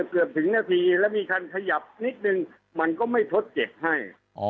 เกือบถึงนาทีและมีรถขยับนิดนึงไม่มีการทดเก็บให้